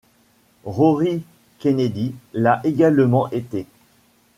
Rory Kennedy l'a également été.